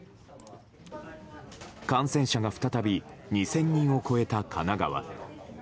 感染者が再び２０００人を超えた神奈川。